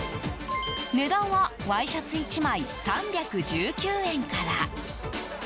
値段はワイシャツ１枚３１９円から。